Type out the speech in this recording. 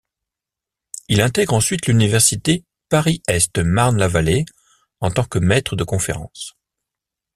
Il intègre ensuite l'université Paris-Est-Marne-la-Vallée en tant que maître de conférence.